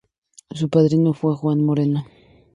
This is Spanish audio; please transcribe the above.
Su padrino fue Juan Moreno.